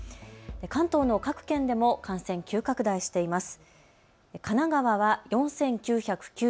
関東の各県でも感染、急拡大しています。